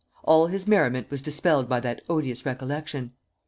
All his merriment was dispelled by that odious recollection.